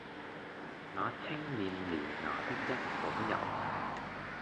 那青面獠牙的一夥人，